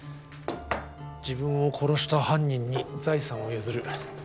自分を殺した犯人に財産を譲る。